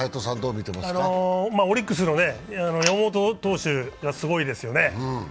オリックスの山本投手がすごいですよね。